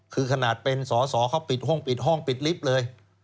คือขนาดเป็นสอสอเขาปิดห้องปิดห้องปิดลิฟต์เลย